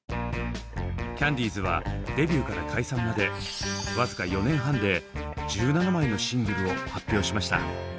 キャンディーズはデビューから解散までわずか４年半で１７枚のシングルを発表しました。